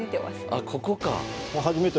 あここか。